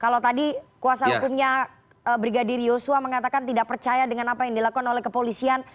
kalau tadi kuasa hukumnya brigadir yosua mengatakan tidak percaya dengan apa yang dilakukan oleh kepolisian